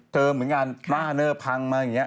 เธอเหมือนกันเนอร์พังมาแหล่งงี้